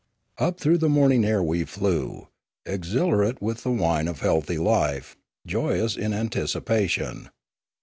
Up through the morning air we flew, exhilarate with the wine of healthy life, joyous in anticipation.